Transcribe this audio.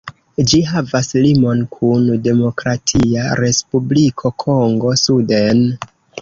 Ĝi havas limon kun Demokratia Respubliko Kongo suden.